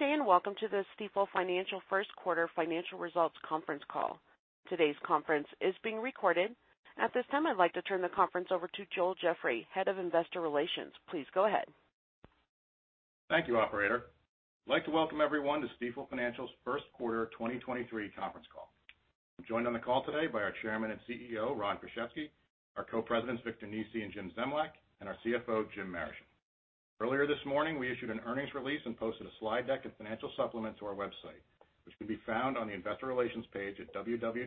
Good day, and welcome to the Stifel Financial First Quarter Financial Results conference call. Today's conference is being recorded. At this time, I'd like to turn the conference over to Joel Jeffrey, Head of Investor Relations. Please go ahead. Thank you, operator. I'd like to welcome everyone to Stifel Financial's first quarter 2023 conference call. I'm joined on the call today by our Chairman and CEO, Ron Kruszewski, our Co-Presidents, Victor Nesi and Jim Zemlyak, and our CFO, Jim Marischen. Earlier this morning, we issued an earnings release and posted a slide deck and financial supplement to our website, which can be found on the investor relations page at www.stifel.com.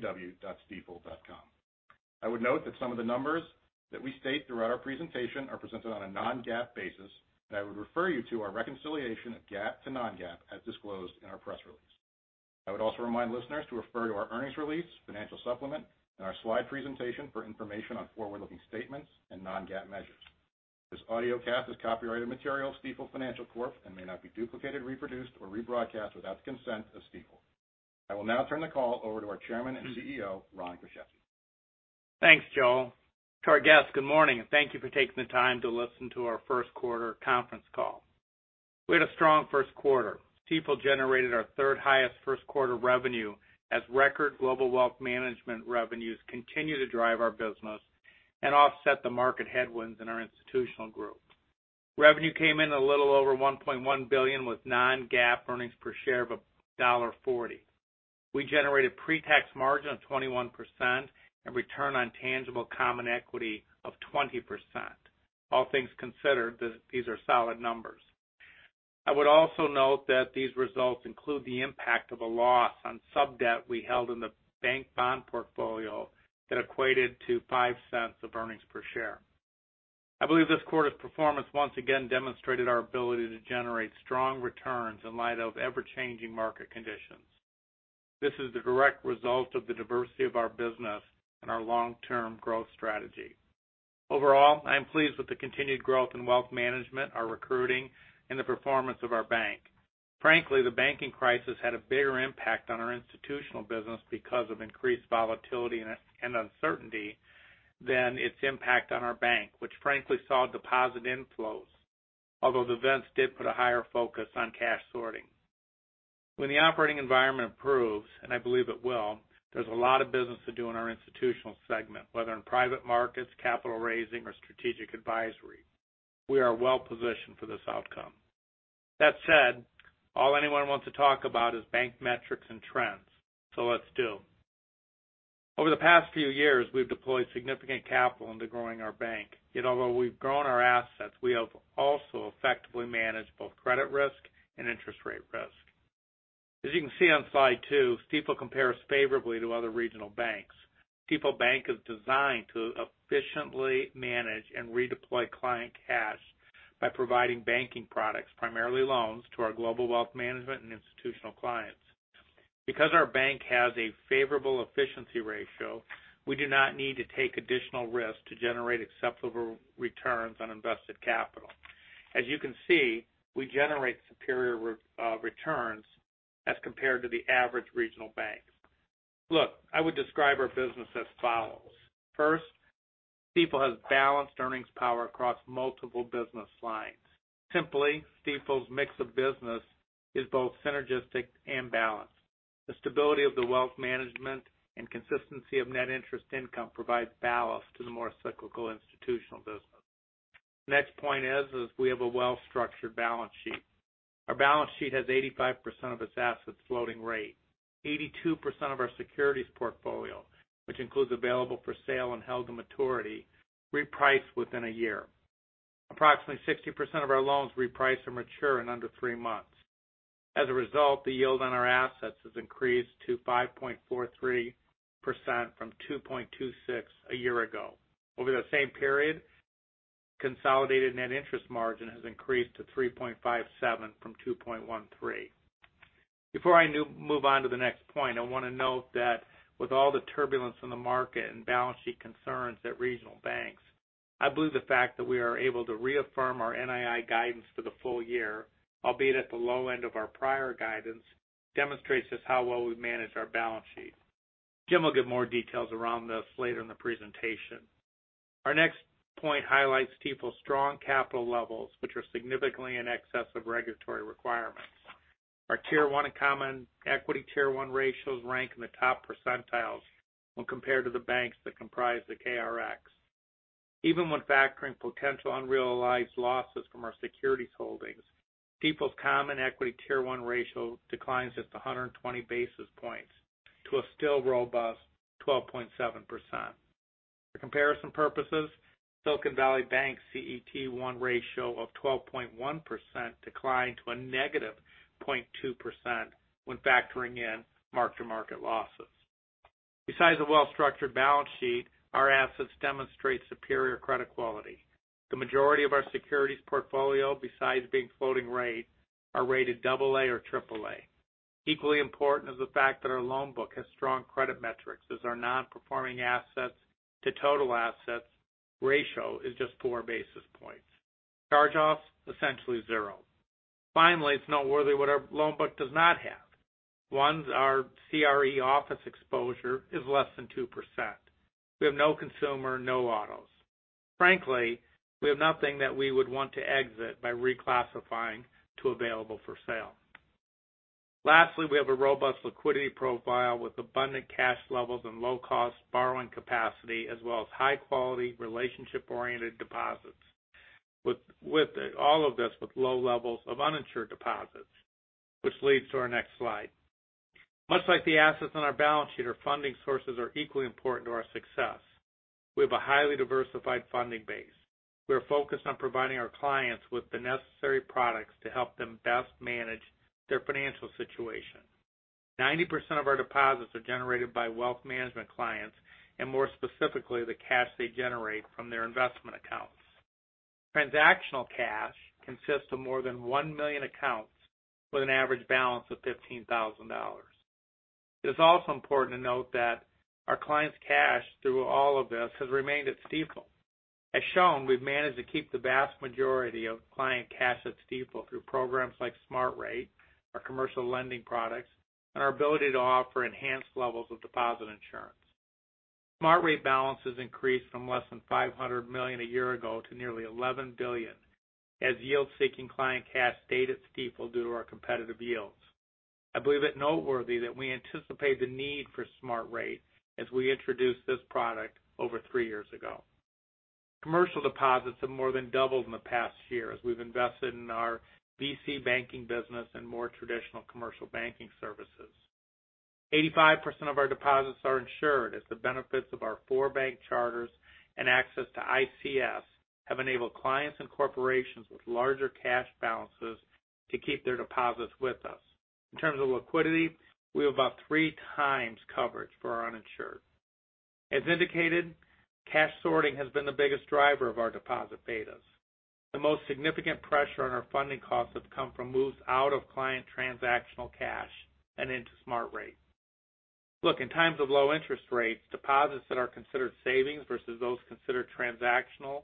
I would note that some of the numbers that we state throughout our presentation are presented on a non-GAAP basis, and I would refer you to our reconciliation of GAAP to non-GAAP as disclosed in our press release. I would also remind listeners to refer to our earnings release, financial supplement, and our slide presentation for information on forward-looking statements and non-GAAP measures. This audiocast is copyrighted material of Stifel Financial Corp. May not be duplicated, reproduced, or rebroadcast without the consent of Stifel. I will now turn the call over to our Chairman and CEO, Ron Kruszewski. Thanks, Joel. To our guests, good morning, and thank you for taking the time to listen to our first quarter conference call. We had a strong first quarter. Stifel generated our third highest first quarter revenue as record global wealth management revenues continue to drive our business and offset the market headwinds in our institutional group. Revenue came in a little over $1.1 billion with non-GAAP earnings per share of $1.40. We generated pre-tax margin of 21% and return on tangible common equity of 20%. All things considered, these are solid numbers. I would also note that these results include the impact of a loss on sub-debt we held in the bank bond portfolio that equated to $0.05 of earnings per share. I believe this quarter's performance once again demonstrated our ability to generate strong returns in light of ever-changing market conditions. This is the direct result of the diversity of our business and our long-term growth strategy. Overall, I am pleased with the continued growth in wealth management, our recruiting, and the performance of our bank. Frankly, the banking crisis had a bigger impact on our institutional business because of increased volatility and uncertainty than its impact on our bank, which frankly saw deposit inflows. The events did put a higher focus on cash sorting. When the operating environment improves, and I believe it will, there's a lot of business to do in our institutional segment, whether in private markets, capital raising, or strategic advisory. We are well-positioned for this outcome. That said, all anyone wants to talk about is bank metrics and trends. Let's do. Over the past few years, we've deployed significant capital into growing our bank. Although we've grown our assets, we have also effectively managed both credit risk and interest rate risk. As you can see on slide two, Stifel compares favorably to other regional banks. Stifel Bank is designed to efficiently manage and redeploy client cash by providing banking products, primarily loans, to our global wealth management and institutional clients. Our bank has a favorable efficiency ratio, we do not need to take additional risks to generate acceptable returns on invested capital. As you can see, we generate superior returns as compared to the average regional banks. Look, I would describe our business as follows. First, Stifel has balanced earnings power across multiple business lines. Simply, Stifel's mix of business is both synergistic and balanced. The stability of the wealth management and consistency of net interest income provides ballast to the more cyclical institutional business. The next point is, we have a well-structured balance sheet. Our balance sheet has 85% of its assets floating rate. 82% of our securities portfolio, which includes available for sale and held to maturity, reprice within a year. Approximately 60% of our loans reprice or mature in under three months. As a result, the yield on our assets has increased to 5.43% from 2.26% a year ago. Over the same period, consolidated net interest margin has increased to 3.57% from 2.13%. Before I move on to the next point, I wanna note that with all the turbulence in the market and balance sheet concerns at regional banks, I believe the fact that we are able to reaffirm our NII guidance for the full year, albeit at the low end of our prior guidance, demonstrates just how well we manage our balance sheet. Jim will give more details around this later in the presentation. Our next point highlights Stifel's strong capital levels, which are significantly in excess of regulatory requirements. Our Tier 1 common equity Tier 1 ratios rank in the top percentiles when compared to the banks that comprise the KRX. Even when factoring potential unrealized losses from our securities holdings, Stifel's common equity Tier 1 ratio declines just 120 basis points to a still robust 12.7%. For comparison purposes, Silicon Valley Bank's CET1 ratio of 12.1% declined to a -0.2% when factoring in mark-to-market losses. Besides a well-structured balance sheet, our assets demonstrate superior credit quality. The majority of our securities portfolio, besides being floating rate, are rated double A or triple A. Equally important is the fact that our loan book has strong credit metrics, as our non-performing assets to total assets ratio is just 4 basis points. Charge-offs, essentially 0. Finally, it's noteworthy what our loan book does not have. One's our CRE office exposure is less than 2%. We have no consumer, no autos. Frankly, we have nothing that we would want to exit by reclassifying to available for sale. Lastly, we have a robust liquidity profile with abundant cash levels and low cost borrowing capacity, as well as high-quality relationship-oriented deposits. With all of this, with low levels of uninsured deposits. Leads to our next slide. Much like the assets on our balance sheet, our funding sources are equally important to our success. We have a highly diversified funding base. We are focused on providing our clients with the necessary products to help them best manage their financial situation. 90% of our deposits are generated by wealth management clients, and more specifically, the cash they generate from their investment accounts. Transactional cash consists of more than 1 million accounts with an average balance of $15,000. It is also important to note that our clients' cash through all of this has remained at Stifel. As shown, we've managed to keep the vast majority of client cash at Stifel through programs like Smart Rate, our commercial lending products, and our ability to offer enhanced levels of deposit insurance. Smart Rate balances increased from less than $500 million a year ago to nearly $11 billion as yield-seeking client cash stayed at Stifel due to our competitive yields. I believe it noteworthy that we anticipate the need for Smart Rate as we introduced this product over 3 years ago. Commercial deposits have more than doubled in the past year as we've invested in our venture banking business and more traditional commercial banking services. 85% of our deposits are insured as the benefits of our 4 bank charters and access to ICS have enabled clients and corporations with larger cash balances to keep their deposits with us. In terms of liquidity, we have about 3 times coverage for our uninsured. As indicated, cash sorting has been the biggest driver of our deposit betas. The most significant pressure on our funding costs have come from moves out of client transactional cash and into Smart Rate. Look, in times of low interest rates, deposits that are considered savings versus those considered transactional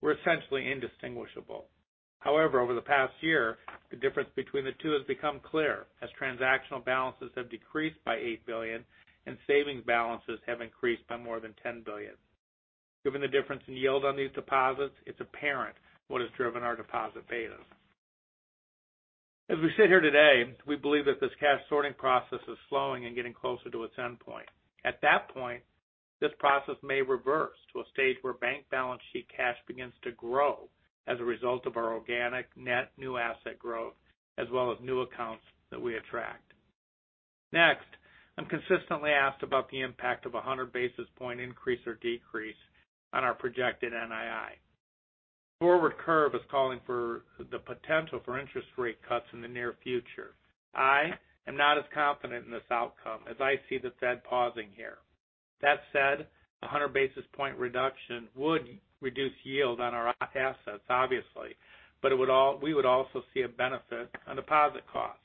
were essentially indistinguishable. However, over the past year, the difference between the two has become clear as transactional balances have decreased by $8 billion and savings balances have increased by more than $10 billion. Given the difference in yield on these deposits, it's apparent what has driven our deposit betas. As we sit here today, we believe that this cash sorting process is slowing and getting closer to its endpoint. At that point, this process may reverse to a stage where bank balance sheet cash begins to grow as a result of our organic net new asset growth, as well as new accounts that we attract. I'm consistently asked about the impact of a 100 basis point increase or decrease on our projected NII. Forward curve is calling for the potential for interest rate cuts in the near future. I am not as confident in this outcome as I see the Fed pausing here. A 100 basis point reduction would reduce yield on our assets, obviously, but we would also see a benefit on deposit costs.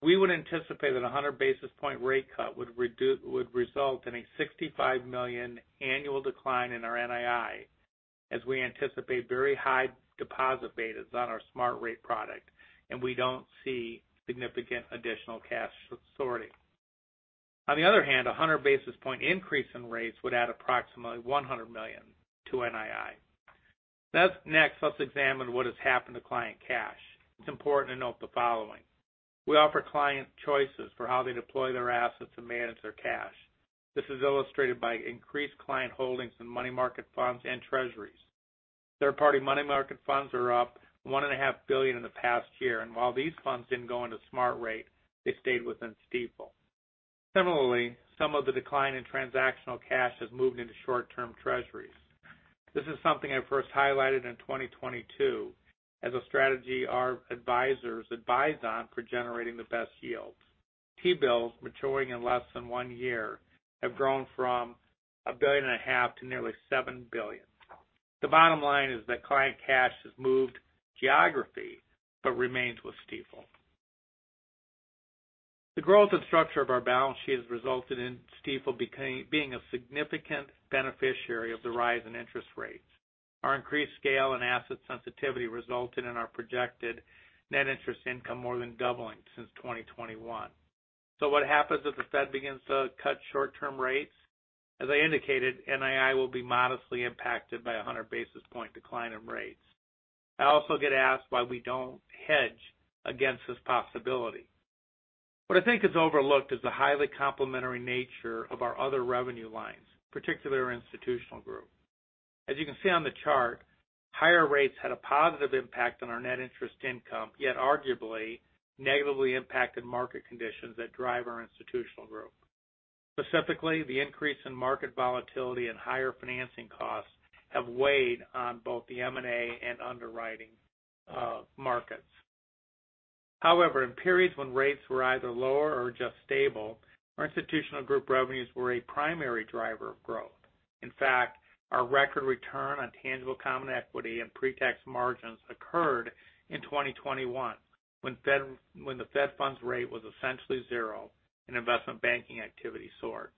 We would anticipate that a 100 basis point rate cut would result in a $65 million annual decline in our NII, as we anticipate very high deposit betas on our Smart Rate product, and we don't see significant additional cash sorting. A 100 basis point increase in rates would add approximately $100 million to NII. Let's examine what has happened to client cash. It's important to note the following. We offer clients choices for how they deploy their assets and manage their cash. This is illustrated by increased client holdings in money market funds and treasuries. Third-party money market funds are up $1.5 billion in the past year, and while these funds didn't go into Smart Rate, they stayed within Stifel. Similarly, some of the decline in transactional cash has moved into short-term treasuries. This is something I first highlighted in 2022 as a strategy our advisors advise on for generating the best yields. T-bills maturing in less than one year have grown from $1.5 billion to nearly $7 billion. The bottom line is that client cash has moved geography but remains with Stifel. The growth and structure of our balance sheet has resulted in Stifel being a significant beneficiary of the rise in interest rates. Our increased scale and asset sensitivity resulted in our projected net interest income more than doubling since 2021. What happens if the Fed begins to cut short-term rates? As I indicated, NII will be modestly impacted by a 100 basis point decline in rates. I also get asked why we don't hedge against this possibility. What I think is overlooked is the highly complementary nature of our other revenue lines, particularly our institutional group. As you can see on the chart, higher rates had a positive impact on our net interest income, yet arguably negatively impacted market conditions that drive our institutional group. Specifically, the increase in market volatility and higher financing costs have weighed on both the M&A and underwriting markets. However, in periods when rates were either lower or just stable, our institutional group revenues were a primary driver of growth. In fact, our record return on tangible common equity and pre-tax margins occurred in 2021 when the Fed funds rate was essentially 0 and investment banking activity soared.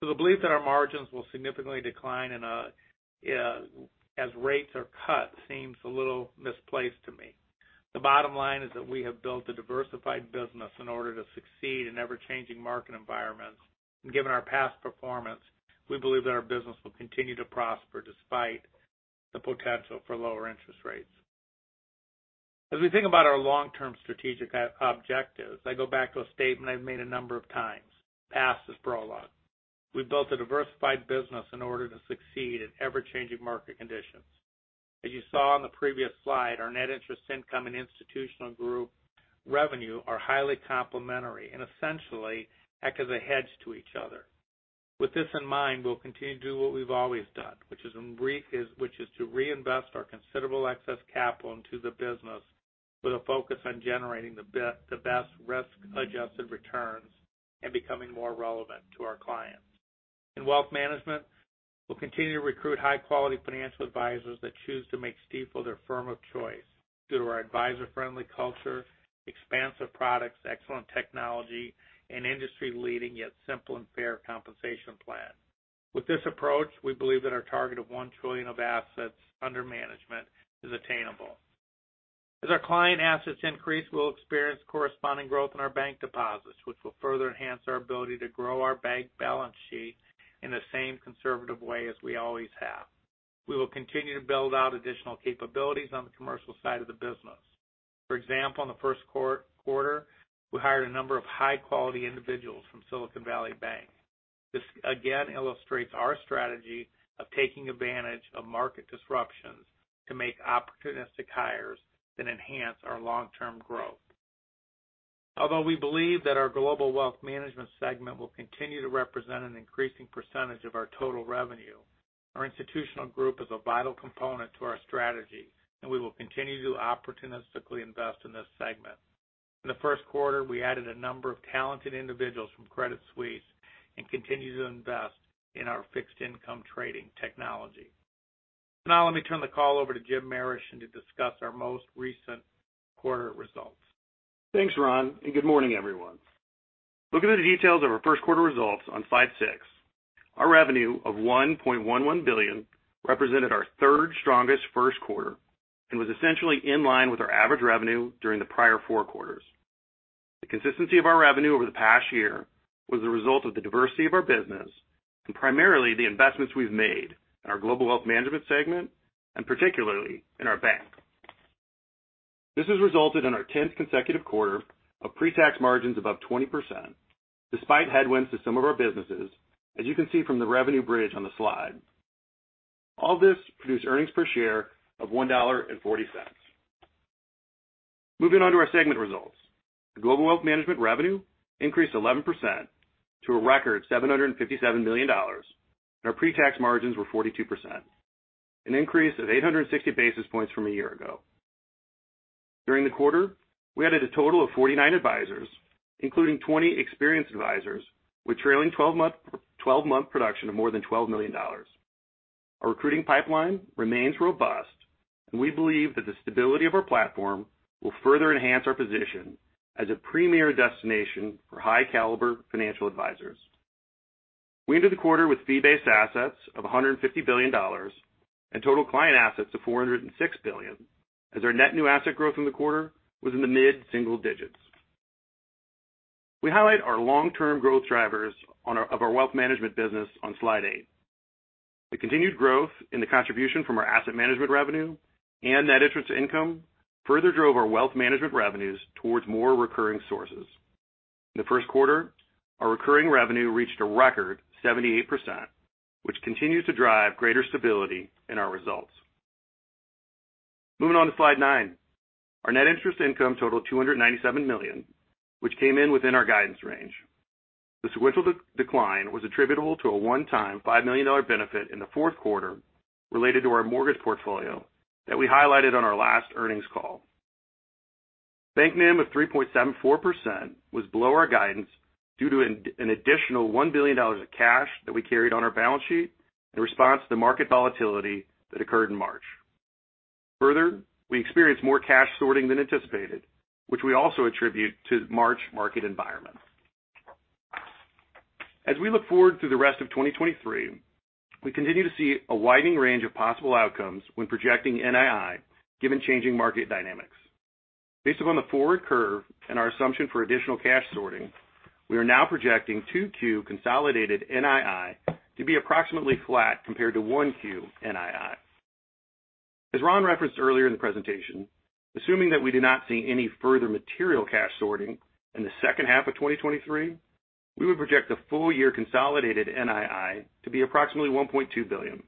The belief that our margins will significantly decline as rates are cut seems a little misplaced to me. The bottom line is we have built a diversified business in order to succeed in ever-changing market environments. Given our past performance, we believe that our business will continue to prosper despite the potential for lower interest rates. As we think about our long-term strategic objectives, I go back to a statement I've made a number of times, past is prologue. We've built a diversified business in order to succeed in ever-changing market conditions. As you saw on the previous slide, our net interest income and institutional group revenue are highly complementary and essentially act as a hedge to each other. With this in mind, we'll continue to do what we've always done, which is to reinvest our considerable excess capital into the business with a focus on generating the best risk-adjusted returns and becoming more relevant to our clients. In wealth management, we'll continue to recruit high-quality financial advisors that choose to make Stifel their firm of choice through our advisor-friendly culture, expansive products, excellent technology, and industry-leading, yet simple and fair compensation plan. With this approach, we believe that our target of 1 trillion of assets under management is attainable. As our client assets increase, we'll experience corresponding growth in our bank deposits, which will further enhance our ability to grow our bank balance sheet in the same conservative way as we always have. We will continue to build out additional capabilities on the commercial side of the business. For example, in the first quarter, we hired a number of high-quality individuals from Silicon Valley Bank. This again illustrates our strategy of taking advantage of market disruptions to make opportunistic hires that enhance our long-term growth. Although we believe that our global wealth management segment will continue to represent an increasing percentage of our total revenue, our institutional group is a vital component to our strategy, and we will continue to opportunistically invest in this segment. In the first quarter, we added a number of talented individuals from Credit Suisse and continue to invest in our fixed income trading technology. Now let me turn the call over to Jim Marischen in to discuss our most recent quarter results. Thanks, Ron, and good morning, everyone. Looking at the details of our first quarter results on slide 6, our revenue of $1.11 billion represented our 3rd strongest first quarter and was essentially in line with our average revenue during the prior 4 quarters. The consistency of our revenue over the past year was the result of the diversity of our business and primarily the investments we've made in our Global Wealth Management segment, and particularly in our bank. This has resulted in our 10th consecutive quarter of pre-tax margins above 20% despite headwinds to some of our businesses, as you can see from the revenue bridge on the slide. All this produced earnings per share of $1.40. Moving on to our segment results. The global wealth management revenue increased 11% to a record $757 million, and our pre-tax margins were 42%, an increase of 860 basis points from a year ago. During the quarter, we added a total of 49 advisors, including 20 experienced advisors with trailing twelve-month production of more than $12 million. Our recruiting pipeline remains robust, and we believe that the stability of our platform will further enhance our position as a premier destination for high-caliber financial advisors. We entered the quarter with fee-based assets of $150 billion and total client assets of $406 billion, as our net new asset growth in the quarter was in the mid-single digits. We highlight our long-term growth drivers of our wealth management business on slide 8. The continued growth in the contribution from our asset management revenue and net interest income further drove our wealth management revenues towards more recurring sources. In the first quarter, our recurring revenue reached a record 78%, which continues to drive greater stability in our results. Moving on to slide 9. Our net interest income totaled $297 million, which came in within our guidance range. The sequential decline was attributable to a one-time $5 million benefit in the fourth quarter related to our mortgage portfolio that we highlighted on our last earnings call. Bank NIM of 3.74% was below our guidance due to an additional $1 billion of cash that we carried on our balance sheet in response to market volatility that occurred in March. Further, we experienced more cash sorting than anticipated, which we also attribute to the March market environment. As we look forward to the rest of 2023, we continue to see a widening range of possible outcomes when projecting NII given changing market dynamics. Based upon the forward curve and our assumption for additional cash sorting, we are now projecting 2Q consolidated NII to be approximately flat compared to 1Q NII. As Ron referenced earlier in the presentation, assuming that we do not see any further material cash sorting in the second half of 2023, we would project a full-year consolidated NII to be approximately $1.2 billion.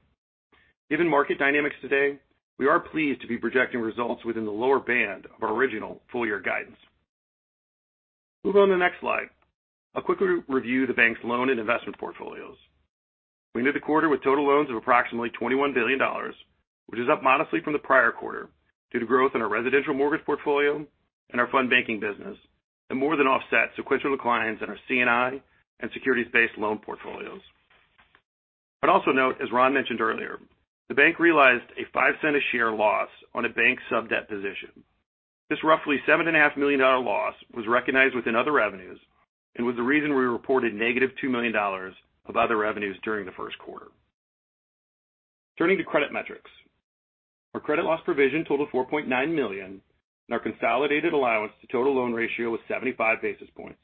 Given market dynamics today, we are pleased to be projecting results within the lower band of our original full-year guidance. Moving on to the next slide. I'll quickly review the bank's loan and investment portfolios. We ended the quarter with total loans of approximately $21 billion, which is up modestly from the prior quarter due to growth in our residential mortgage portfolio and our fund banking business. More than offsets sequential declines in our C&I and securities-based loan portfolios. Also note, as Ron mentioned earlier, the bank realized a $0.05 a share loss on a bank sub-debt position. This roughly $7.5 million loss was recognized within other revenues and was the reason we reported negative $2 million of other revenues during the first quarter. Turning to credit metrics. Our credit loss provision totaled $4.9 million. Our consolidated allowance to total loan ratio was 75 basis points.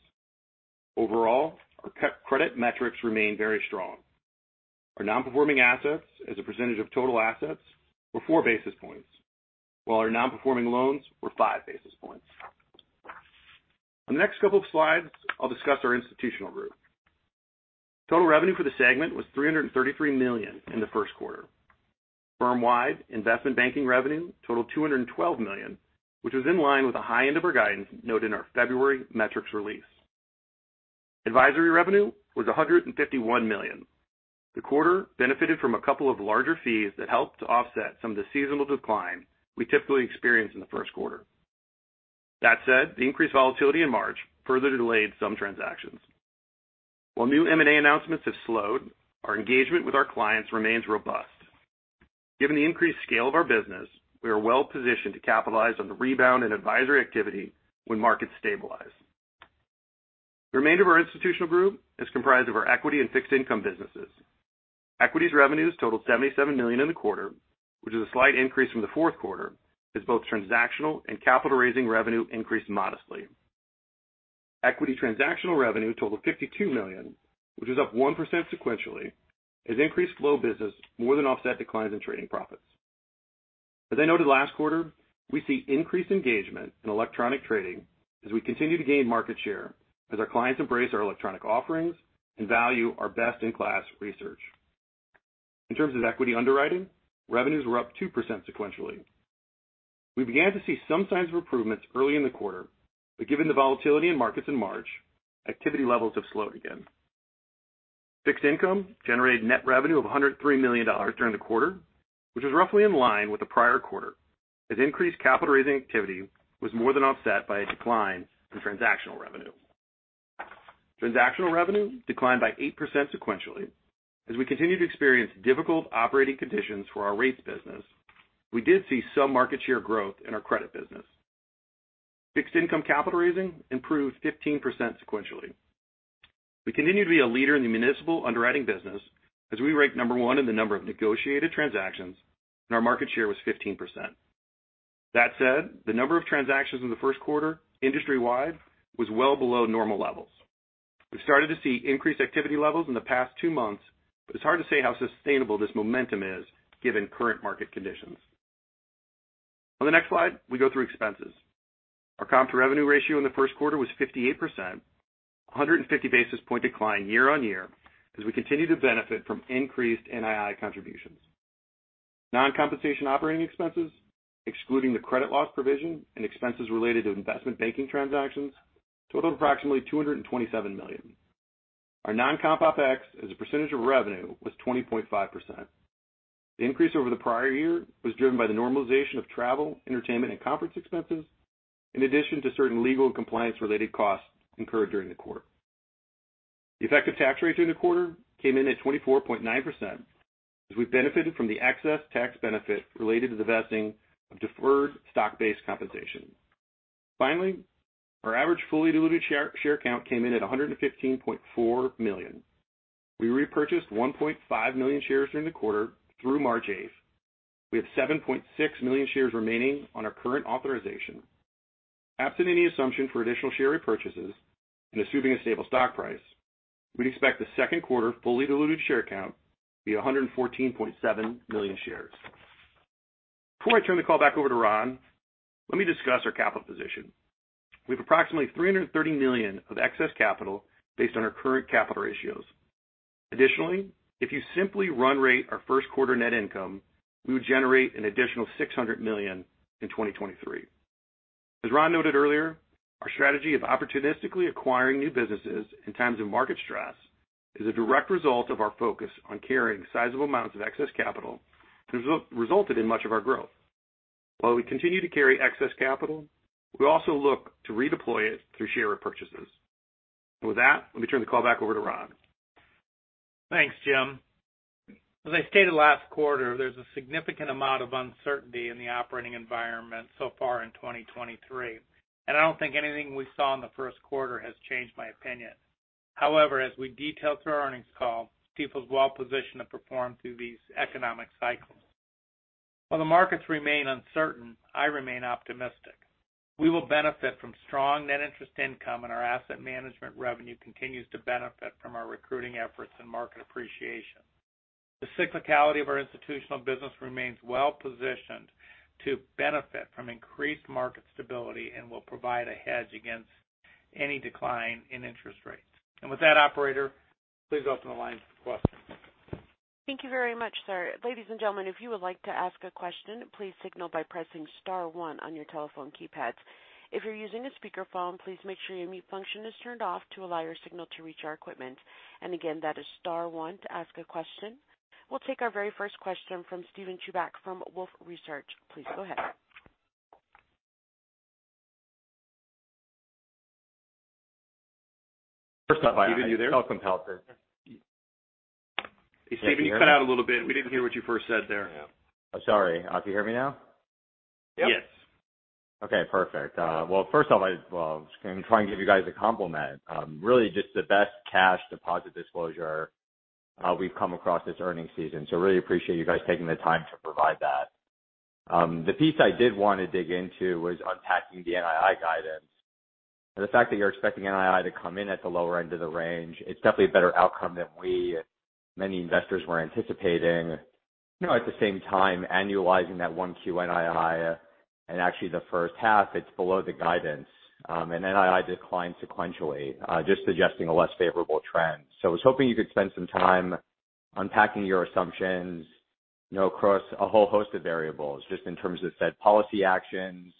Overall, our credit metrics remain very strong. Our non-performing assets as a percentage of total assets were 4 basis points, while our non-performing loans were 5 basis points. On the next couple of slides, I'll discuss our institutional group. Total revenue for the segment was $333 million in the first quarter. Firm-wide investment banking revenue totaled $212 million, which was in line with the high end of our guidance noted in our February metrics release. Advisory revenue was $151 million. The quarter benefited from a couple of larger fees that helped to offset some of the seasonal decline we typically experience in the first quarter. That said, the increased volatility in March further delayed some transactions. While new M&A announcements have slowed, our engagement with our clients remains robust. Given the increased scale of our business, we are well-positioned to capitalize on the rebound in advisory activity when markets stabilize. The remainder of our institutional group is comprised of our equity and fixed income businesses. Equities revenues totaled $77 million in the quarter, which is a slight increase from the fourth quarter, as both transactional and capital raising revenue increased modestly. Equity transactional revenue totaled $52 million, which is up 1% sequentially, as increased flow business more than offset declines in trading profits. As I noted last quarter, we see increased engagement in electronic trading as we continue to gain market share as our clients embrace our electronic offerings and value our best-in-class research. In terms of equity underwriting, revenues were up 2% sequentially. We began to see some signs of improvements early in the quarter, but given the volatility in markets in March, activity levels have slowed again. Fixed income generated net revenue of $103 million during the quarter, which was roughly in line with the prior quarter, as increased capital raising activity was more than offset by a decline in transactional revenue. Transactional revenue declined by 8% sequentially. As we continue to experience difficult operating conditions for our rates business, we did see some market share growth in our credit business. Fixed income capital raising improved 15% sequentially. We continue to be a leader in the municipal underwriting business as we rank number one in the number of negotiated transactions, and our market share was 15%. That said, the number of transactions in the first quarter industry-wide was well below normal levels. We've started to see increased activity levels in the past two months, It's hard to say how sustainable this momentum is given current market conditions. On the next slide, we go through expenses. Our comp to revenue ratio in the first quarter was 58%, a 150 basis point decline year-on-year as we continue to benefit from increased NII contributions. Non-compensation operating expenses, excluding the credit loss provision and expenses related to investment banking transactions, totaled approximately $227 million. Our non-comp OPEX as a percentage of revenue was 20.5%. The increase over the prior year was driven by the normalization of travel, entertainment, and conference expenses, in addition to certain legal and compliance related costs incurred during the quarter. The effective tax rate during the quarter came in at 24.9% as we benefited from the excess tax benefit related to the vesting of deferred stock-based compensation. Finally, our average fully diluted share count came in at $115.4 million. We repurchased 1.5 million shares during the quarter through March 8th. We have 7.6 million shares remaining on our current authorization. Absent any assumption for additional share repurchases and assuming a stable stock price, we'd expect the second quarter fully diluted share count to be 114.7 million shares. Before I turn the call back over to Ron, let me discuss our capital position. We have approximately $330 million of excess capital based on our current capital ratios. If you simply run rate our first quarter net income, we would generate an additional $600 million in 2023. As Ron noted earlier, our strategy of opportunistically acquiring new businesses in times of market stress is a direct result of our focus on carrying sizable amounts of excess capital that resulted in much of our growth. While we continue to carry excess capital, we also look to redeploy it through share repurchases. With that, let me turn the call back over to Ron. Thanks, Jim. As I stated last quarter, there's a significant amount of uncertainty in the operating environment so far in 2023, and I don't think anything we saw in the first quarter has changed my opinion. However, as we detailed through our earnings call, Stifel's well-positioned to perform through these economic cycles. While the markets remain uncertain, I remain optimistic. We will benefit from strong net interest income, and our asset management revenue continues to benefit from our recruiting efforts and market appreciation. The cyclicality of our institutional business remains well-positioned to benefit from increased market stability and will provide a hedge against any decline in interest rates. With that, operator, please open the line for questions. Thank you very much, sir. Ladies and gentlemen, if you would like to ask a question, please signal by pressing star one on your telephone keypads. If you're using a speakerphone, please make sure your mute function is turned off to allow your signal to reach our equipment. Again, that is star one to ask a question. We'll take our very first question from Steven Chubak from Wolfe Research. Please go ahead. First off, are you there? Welcome. Hey, Steven, you cut out a little bit. We didn't hear what you first said there. Yeah. Sorry. Can you hear me now? Yes. Okay, perfect. Well, first off, I was gonna try and give you guys a compliment. Really just the best cash deposit disclosure we've come across this earnings season. Really appreciate you guys taking the time to provide that. The piece I did wanna dig into was unpacking the NII guidance. The fact that you're expecting NII to come in at the lower end of the range, it's definitely a better outcome than we, many investors were anticipating. You know, at the same time, annualizing that 1Q NII, and actually the first half, it's below the guidance. NII declined sequentially, just suggesting a less favorable trend. I was hoping you could spend some time unpacking your assumptions, you know, across a whole host of variables, just in terms of said policy actions,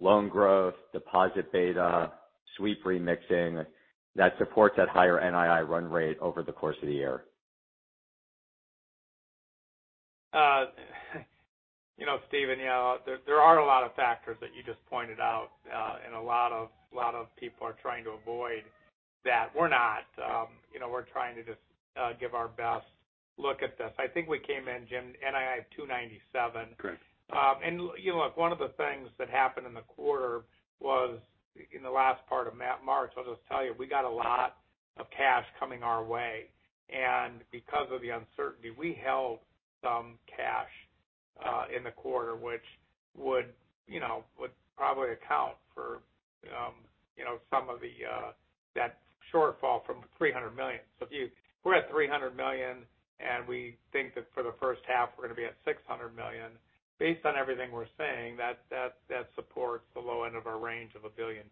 loan growth, deposit beta, sweep remixing that supports that higher NII run rate over the course of the year. You know, Steven, you know, there are a lot of factors that you just pointed out, a lot of people are trying to avoid that. We're not. you know, we're trying to just give our best look at this. I think we came in, Jim, NII of $297. Correct. You know, look, one of the things that happened in the quarter was in the last part of March, I'll just tell you, we got a lot of cash coming our way. Because of the uncertainty, we held some cash in the quarter, which would, you know, would probably account for, you know, some of the that shortfall from the $300 million. we're at $300 million, and we think that for the first half we're gonna be at $600 million. Based on everything we're saying, that supports the low end of our range of $1.2 billion.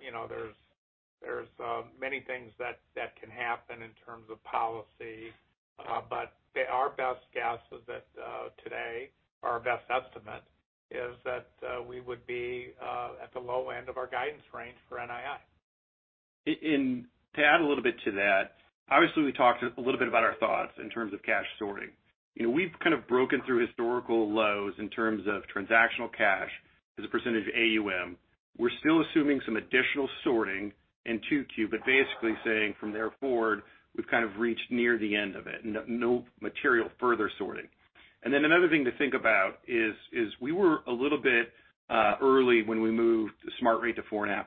You know, there's many things that can happen in terms of policy, our best guess is that today, our best estimate is that we would be at the low end of our guidance range for NII. To add a little bit to that, obviously, we talked a little bit about our thoughts in terms of cash sorting. You know, we've kind of broken through historical lows in terms of transactional cash as a percentage of AUM. We're still assuming some additional sorting in 2Q. Basically saying from there forward, we've kind of reached near the end of it. No material further sorting. Another thing to think about is we were a little bit early when we moved Smart Rate to 4.5%.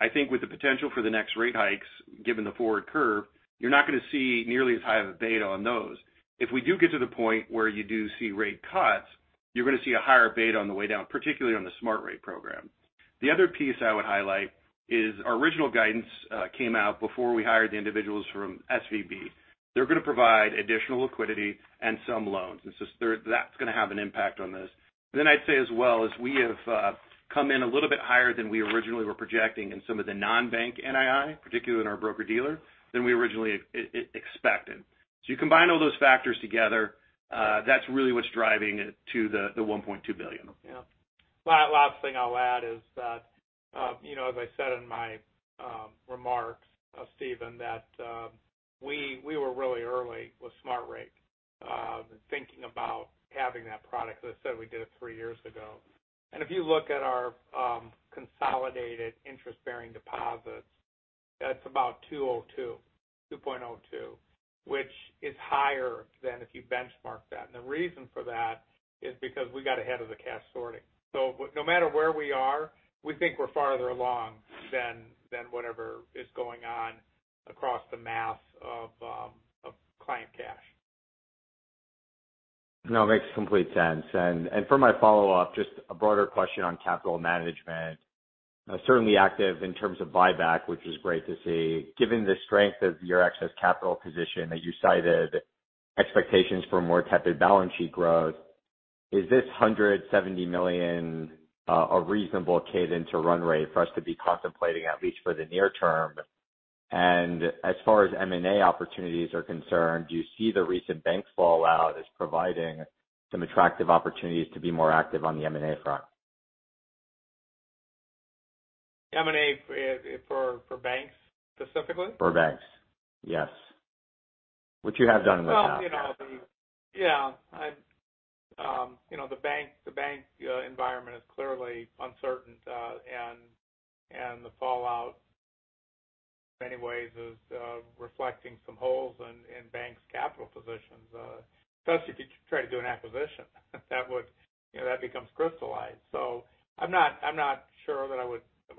I think with the potential for the next rate hikes, given the forward curve, you're not gonna see nearly as high of a beta on those. If we do get to the point where you do see rate cuts, you're gonna see a higher beta on the way down, particularly on the Smart Rate program. The other piece I would highlight is our original guidance came out before we hired the individuals from SVB. They're gonna provide additional liquidity and some loans. It's just That's gonna have an impact on this. I'd say as well, as we have come in a little bit higher than we originally were projecting in some of the non-bank NII, particularly in our broker-dealer, than we originally expected. You combine all those factors together, that's really what's driving it to the $1.2 billion. Yeah. Last thing I'll add is that, you know, as I said in my remarks, Steven, that we were really early with Smart Rate, thinking about having that product. As I said, we did it 3 years ago. If you look at our consolidated interest-bearing deposits, that's about 2.02, which is higher than if you benchmarked that. The reason for that is because we got ahead of the cash sorting. No matter where we are, we think we're farther along than whatever is going on across the mass of client cash. No, it makes complete sense. For my follow-up, just a broader question on capital management. Certainly active in terms of buyback, which is great to see. Given the strength of your excess capital position that you cited, expectations for more tepid balance sheet growth, is this $170 million a reasonable cadence or run rate for us to be contemplating, at least for the near term? As far as M&A opportunities are concerned, do you see the recent banks fallout as providing some attractive opportunities to be more active on the M&A front? M&A for banks specifically? For banks, yes. Which you have done in the past. Well, you know, yeah. I'm you know, the bank environment is clearly uncertain, and the fallout in many ways is reflecting some holes in banks' capital positions. Especially if you try to do an acquisition. You know, that becomes crystallized. I'm not sure that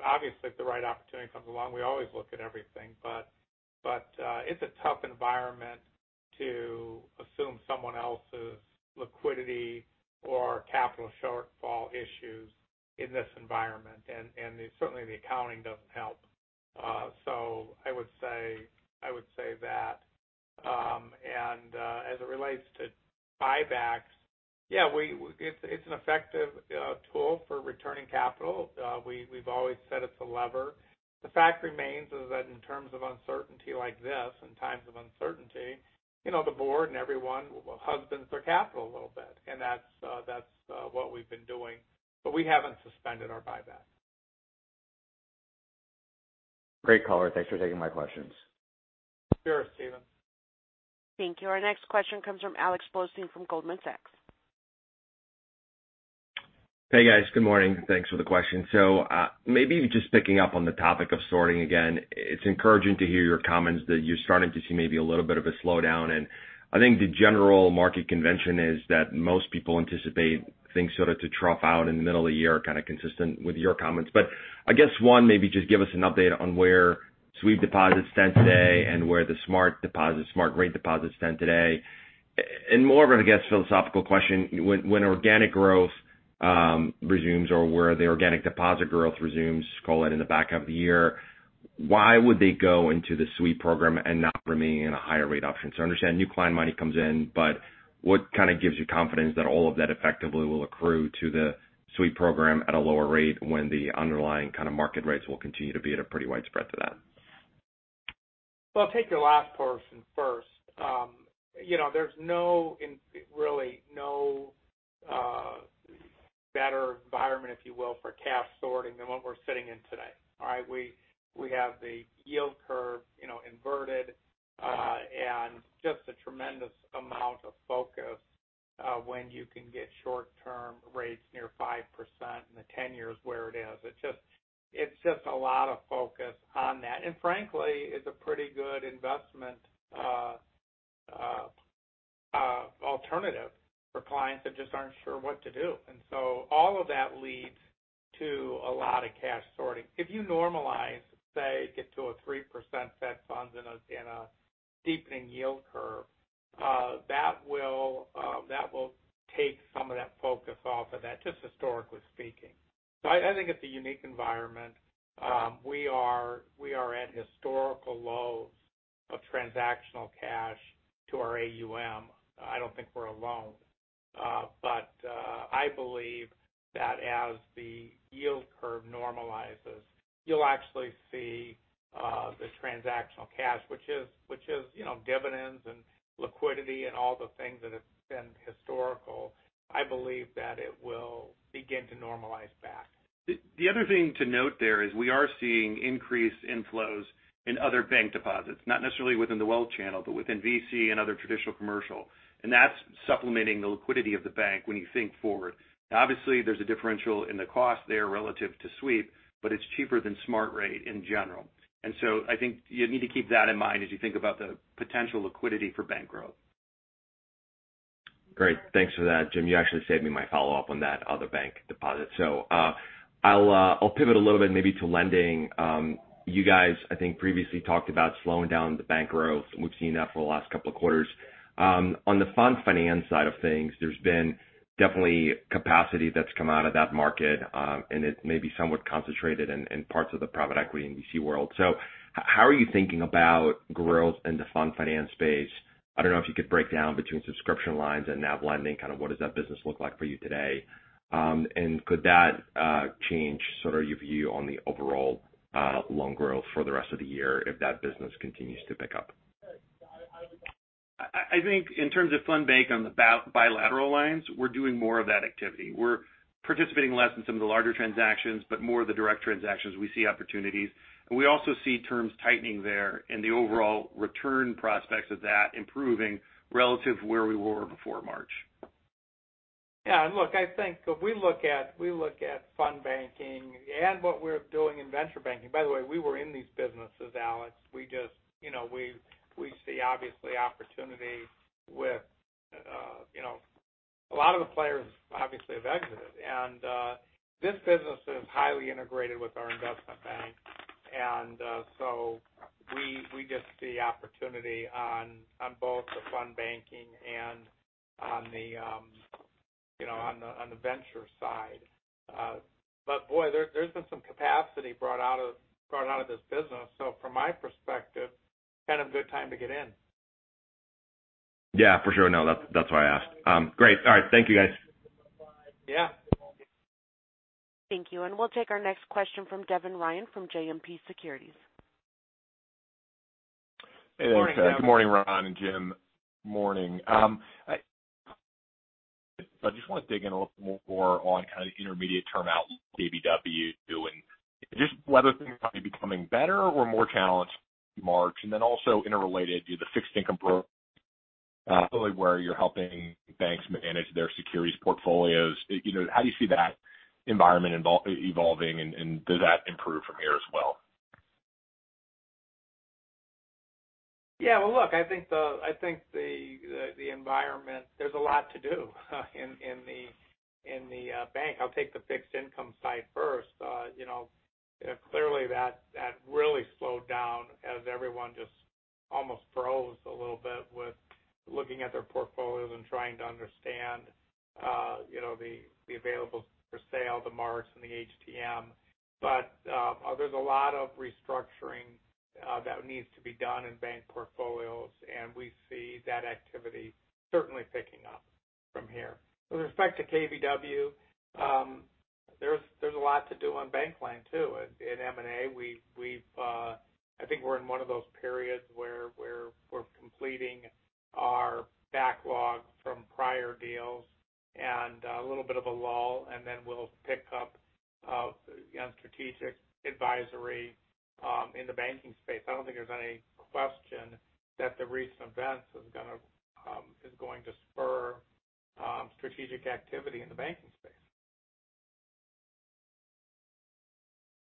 obviously, if the right opportunity comes along, we always look at everything. It's a tough environment to assume someone else's liquidity or capital shortfall issues in this environment. Certainly the accounting doesn't help. I would say that. As it relates to buybacks, yeah, it's an effective tool for returning capital. We've always said it's a lever. The fact remains is that in terms of uncertainty like this, in times of uncertainty, you know, the board and everyone will husband their capital a little bit. That's, that's what we've been doing. We haven't suspended our buyback. Great color. Thanks for taking my questions. Sure, Steven. Thank you. Our next question comes from Alex Blostein from Goldman Sachs. Hey guys, good morning. Thanks for the question. Maybe just picking up on the topic of sorting again, it's encouraging to hear your comments that you're starting to see maybe a little bit of a slowdown. I think the general market convention is that most people anticipate things sort of to trough out in the middle of the year, kind of consistent with your comments. I guess one, maybe just give us an update on where sweep deposits stand today and where the Smart Rate deposits stand today. More of a, I guess, philosophical question. When organic growth resumes or where the organic deposit growth resumes, call it in the back half of the year, why would they go into the sweep program and not remain in a higher rate option? I understand new client money comes in, but what kind of gives you confidence that all of that effectively will accrue to the sweep program at a lower rate when the underlying kind of market rates will continue to be at a pretty wide spread to that? Well, I'll take your last portion first. You know, there's really no better environment, if you will, for cash sorting than what we're sitting in today. All right. We have the yield curve, you know, inverted, and just a tremendous amount of focus when you can get short-term rates near 5% and the 10-year is where it is. It's just a lot of focus on that. Frankly, it's a pretty good investment alternative for clients that just aren't sure what to do. All of that leads to a lot of cash sorting. If you normalize, say, get to a 3% Fed funds and a deepening yield curve, that will take some of that focus off of that, just historically speaking. I think it's a unique environment. We are at historical lows of transactional cash to our AUM. I don't think we're alone. But I believe that as the yield curve normalizes, you'll actually see the transactional cash, which is, you know, dividends and liquidity and all the things that have been historical. I believe that it will begin to normalize back. The other thing to note there is we are seeing increased inflows in other bank deposits, not necessarily within the wealth channel, but within VC and other traditional commercial. That's supplementing the liquidity of the bank when you think forward. Now obviously there's a differential in the cost there relative to sweep, but it's cheaper than Smart Rate in general. I think you need to keep that in mind as you think about the potential liquidity for bank growth. Great. Thanks for that, Jim. You actually saved me my follow-up on that other bank deposit. I'll pivot a little bit maybe to lending. You guys, I think, previously talked about slowing down the bank growth. We've seen that for the last couple of quarters. On the fund finance side of things, there's been definitely capacity that's come out of that market, and it may be somewhat concentrated in parts of the private equity and VC world. How are you thinking about growth in the fund finance space? I don't know if you could break down between subscription lines and NAV lending, kind of what does that business look like for you today? Could that change sort of your view on the overall loan growth for the rest of the year if that business continues to pick up? I think in terms of fund bank on the bilateral lines, we're doing more of that activity. We're participating less in some of the larger transactions, but more of the direct transactions we see opportunities. We also see terms tightening there and the overall return prospects of that improving relative to where we were before March. Yeah. Look, I think if we look at fund banking and what we're doing in venture banking. By the way, we were in these businesses, Alex. We just, you know, we see obviously opportunity with a lot of the players obviously have exited. This business is highly integrated with our investment bank. We just see opportunity on both the fund banking and on the venture side. Boy, there's been some capacity brought out of this business. From my perspective, kind of good time to get in. Yeah, for sure. No, that's why I asked. Great. All right. Thank you, guys. Yeah. Thank you. We'll take our next question from Devin Ryan from JMP Securities. Hey, thanks. Morning, Devin. Good morning, Ron and Jim. Morning. I just want to dig in a little more on kind of the intermediate term outlook, KBW, and just whether things are becoming better or more challenged March. Also interrelated, the fixed income approach, where you're helping banks manage their securities portfolios. You know, how do you see that environment evolving, and does that improve from here as well? Well, look, I think the environment, there's a lot to do in the bank. I'll take the fixed income side first. you know, clearly that really slowed down as everyone just almost froze a little bit with looking at their portfolios and trying to understand, you know, the available for sale, the marks and the HTM. There's a lot of restructuring that needs to be done in bank portfolios, and we see that activity certainly picking up from here. With respect to KBW, there's a lot to do on bank line too. In M&A, we've, I think we're in one of those periods where we're completing our backlog from prior deals and a little bit of a lull, and then we'll pick up. Again, strategic advisory in the banking space. I don't think there's any question that the recent events is gonna is going to spur strategic activity in the banking space.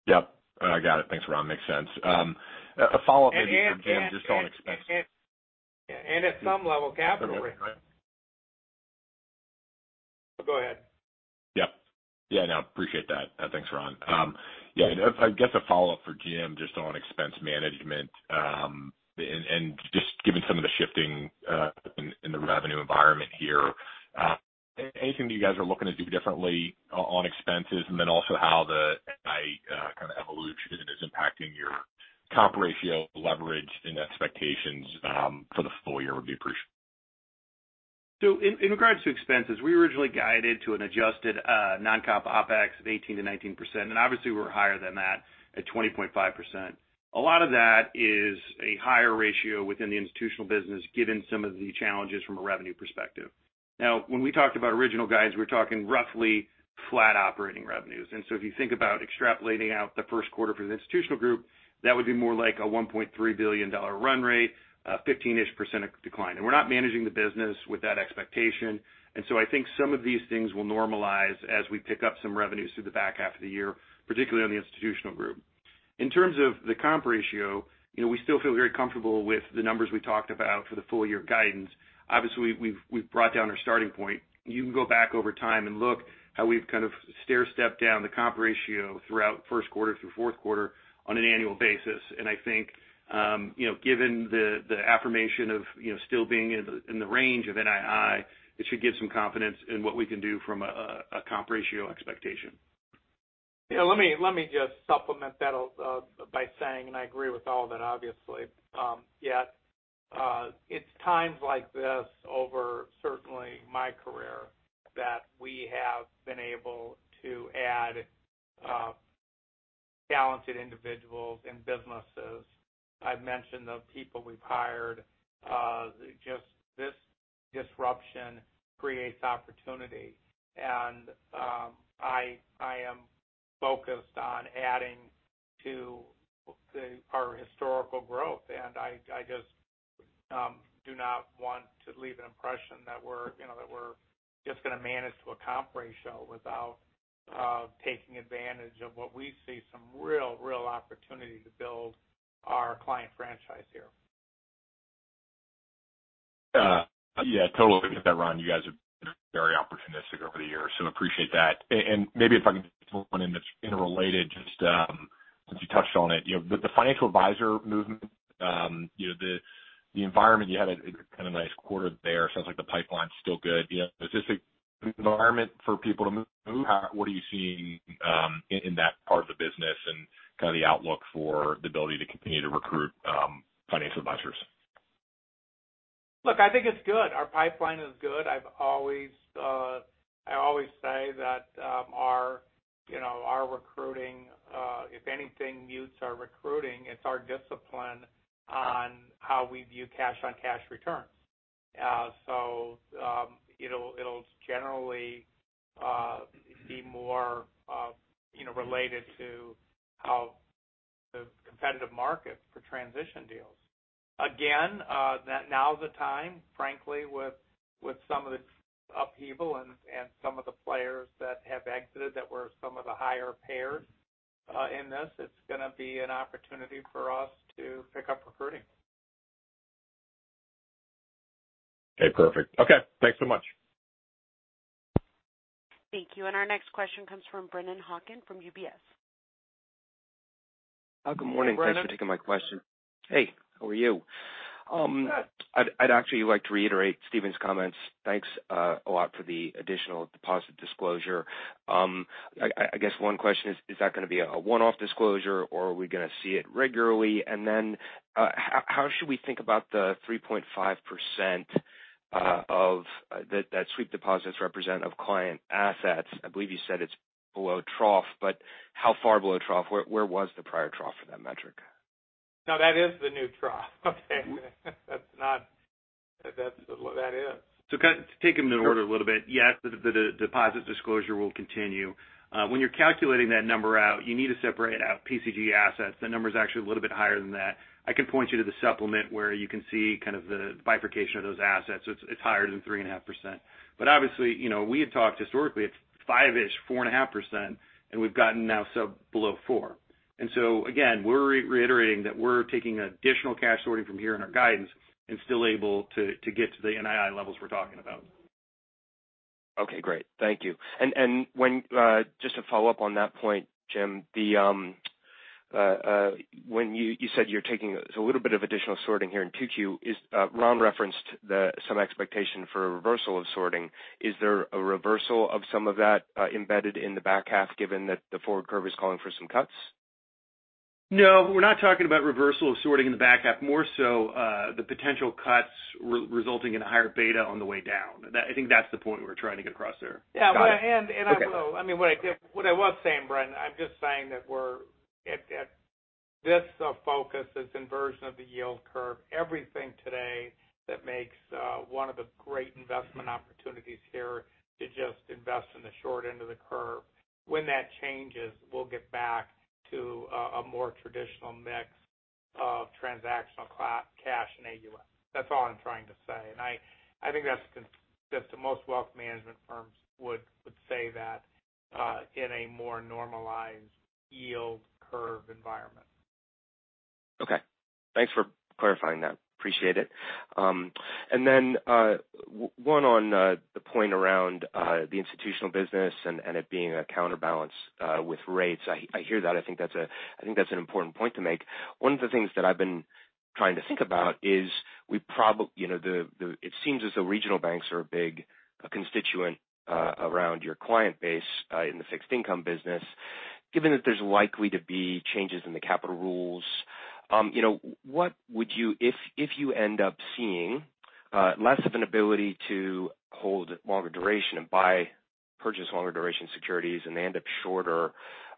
Yep, I got it. Thanks, Ron. Makes sense. a follow-up maybe for Jim just on expense. At some level, capital. Sorry, go ahead. No, go ahead. Yep. Yeah, no, appreciate that. Thanks, Ron. Yeah, I guess a follow-up for Jim, just on expense management, and just given some of the shifting in the revenue environment here, anything that you guys are looking to do differently on expenses. Then also how the NII kind of evolution is impacting your comp ratio leverage and expectations for the full year would be appreciated. In regards to expenses, we originally guided to an adjusted non-comp OPEX of 18%-19%. Obviously, we're higher than that at 20.5%. A lot of that is a higher ratio within the institutional business given some of the challenges from a revenue perspective. When we talked about original guidance, we're talking roughly flat operating revenues. If you think about extrapolating out the first quarter for the institutional group, that would be more like a $1.3 billion run rate, a 15%-ish decline. We're not managing the business with that expectation. I think some of these things will normalize as we pick up some revenues through the back half of the year, particularly on the institutional group. In terms of the comp ratio, you know, we still feel very comfortable with the numbers we talked about for the full year guidance. Obviously, we've brought down our starting point. You can go back over time and look how we've kind of stairstepped down the comp ratio throughout first quarter through fourth quarter on an annual basis. I think, you know, given the affirmation of, you know, still being in the, in the range of NII, it should give some confidence in what we can do from a comp ratio expectation. Yeah, let me just supplement that by saying, and I agree with all that, obviously. Yeah, it's times like this over certainly my career that we have been able to add talented individuals and businesses. I've mentioned the people we've hired. Just this disruption creates opportunity. I am focused on adding to our historical growth. I just do not want to leave an impression that we're, you know, that we're just gonna manage to a comp ratio without taking advantage of what we see some real opportunity to build our client franchise here. Yeah, totally get that, Ron. You guys have been very opportunistic over the years, so appreciate that. Maybe if I can get one in that's interrelated, just since you touched on it. You know, the financial advisor movement, you know, the environment you had a kind of nice quarter there. Sounds like the pipeline's still good. You know, is this a good environment for Stifel's to move? What are you seeing in that part of the business and kind of the outlook for the ability to continue to recruit financial advisors? Look, I think it's good. Our pipeline is good. I've always, I always say that, our, you know, our recruiting, if anything mutes our recruiting, it's our discipline on how we view cash-on-cash returns. It'll generally be more, you know, related to how the competitive market for transition deals. Again, now is the time, frankly, with some of the upheaval and some of the players that have exited that were some of the higher payers, in this. It's gonna be an opportunity for us to pick up recruiting. Okay, perfect. Okay. Thanks so much. Thank you. Our next question comes from Brennan Hawken from UBS. Good morning. Hey, Brennan. Thanks for taking my question. Hey, how are you? Good. I'd actually like to reiterate Steven's comments. Thanks a lot for the additional deposit disclosure. I guess one question is that gonna be a one-off disclosure or are we gonna see it regularly? How should we think about the 3.5% of that sweep deposits represent of client assets? I believe you said it's below trough, but how far below trough? Where was the prior trough for that metric? No, that is the new trough. Okay. That's what that is. Kind of to take them in order a little bit, yes, the deposit disclosure will continue. When you're calculating that number out, you need to separate out PCG assets. That number is actually a little bit higher than that. I can point you to the supplement where you can see kind of the bifurcation of those assets. It's higher than 3.5%. Obviously, you know, we had talked historically, it's 5-ish, 4.5%, and we've gotten now below 4. Again, we're reiterating that we're taking additional cash sorting from here in our guidance and still able to get to the NII levels we're talking about. Okay, great. Thank you. When, just to follow up on that point, Jim, the, when you said you're taking a little bit of additional sorting here in 2Q, Ron referenced some expectation for a reversal of sorting. Is there a reversal of some of that embedded in the back half given that the forward curve is calling for some cuts? No, we're not talking about reversal of sorting in the back half. More so, the potential cuts re-resulting in a higher beta on the way down. I think that's the point we're trying to get across there. Got it. Okay. Yeah, I mean, what I was saying, Brennan, I'm just saying that we're at this focus is inversion of the yield curve. Everything today that makes, one of the great investment opportunities here to just invest in the short end of the curve. When that changes, we'll get back to a more traditional mix of transactional cash and AUM. That's all I'm trying to say. I think that's that the most wealth management firms would say that in a more normalized yield curve environment. Okay. Thanks for clarifying that. Appreciate it. One on the point around the institutional business and it being a counterbalance with rates. I hear that. I think that's an important point to make. One of the things that I've been trying to think about is we you know, the it seems as though regional banks are a big constituent around your client base in the fixed income business. Given that there's likely to be changes in the capital rules, you know, what would you... If you end up seeing less of an ability to hold longer duration and buy, purchase longer duration securities and they end up shorter,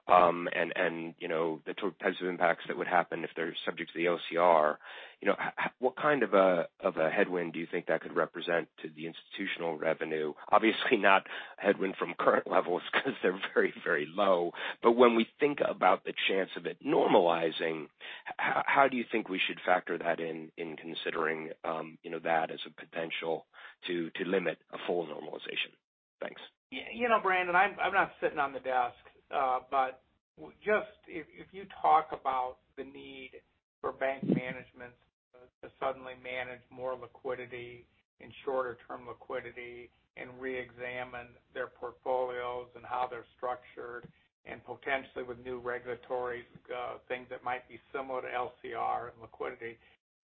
and, you know, the types of impacts that would happen if they're subject to the OCR, you know, what kind of a headwind do you think that could represent to the institutional revenue? Obviously, not headwind from current levels 'cause they're very, very low. When we think about the chance of it normalizing, how do you think we should factor that in considering, you know, that as a potential to limit a full normalization? Thanks. You know, Brennan, I'm not sitting on the desk. But just if you talk about the need for bank management to suddenly manage more liquidity and shorter-term liquidity and reexamine their portfolios and how they're structured and potentially with new regulatory things that might be similar to LCR and liquidity,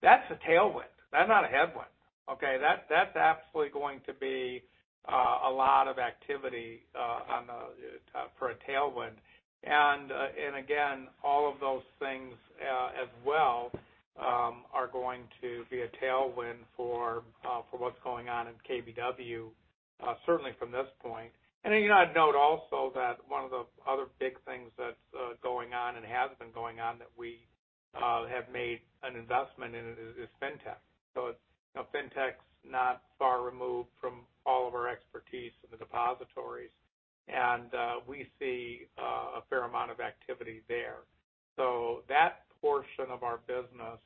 that's a tailwind. That's not a headwind, okay? That's absolutely going to be a lot of activity on the for a tailwind. Again, all of those things as well are going to be a tailwind for for what's going on in KBW certainly from this point. You know, I'd note also that one of the other big things that's going on and has been going on that we have made an investment in it is fintech. It's, you know, fintech's not far removed from all of our expertise in the depositories. We see a fair amount of activity there. That portion of our business,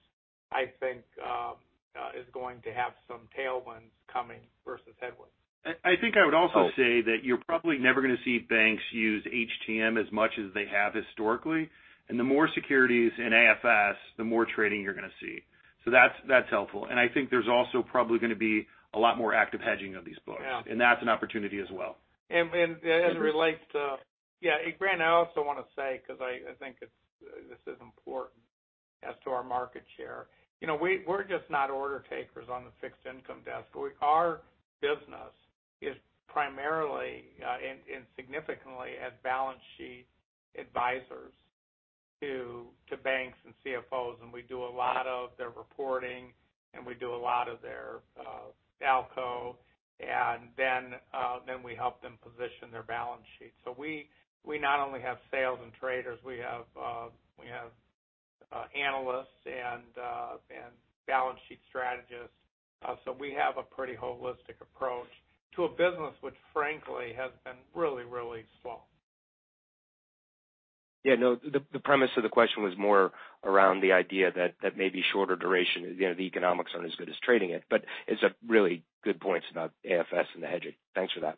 I think, is going to have some tailwinds coming versus headwinds. I think I would also say that you're probably never gonna see banks use HTM as much as they have historically. The more securities in AFS, the more trading you're gonna see. That's helpful. I think there's also probably gonna be a lot more active hedging of these books. Yeah. That's an opportunity as well. It relates to. Yeah, Brennan, I also wanna say, 'cause I think it's, this is important as to our market share. You know, we're just not order takers on the fixed income desk. Our business is primarily, and significantly as balance sheet advisors to banks and CFOs, and we do a lot of their reporting, and we do a lot of their ALCO. Then we help them position their balance sheet. We not only have sales and traders, we have analysts and balance sheet strategists. We have a pretty holistic approach to a business which frankly has been really slow. Yeah, no, the premise of the question was more around the idea that that may be shorter duration. You know, the economics aren't as good as trading it. It's a really good point about AFS and the hedging. Thanks for that.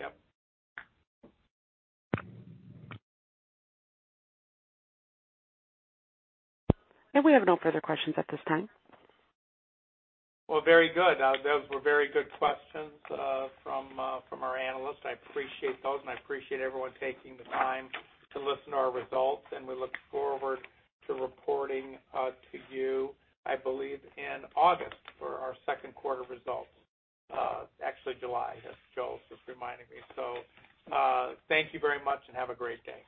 Yep. We have no further questions at this time. Well, very good. Those were very good questions from our analysts. I appreciate those. I appreciate everyone taking the time to listen to our results. We look forward to reporting to you, I believe, in August for our second quarter results. Actually July, as Joel's just reminding me. Thank you very much. Have a great day.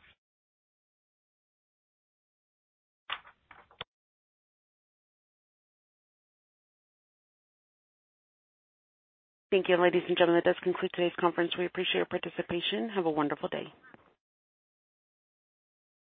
Thank you. Ladies and gentlemen, that does conclude today's conference. We appreciate your participation. Have a wonderful day.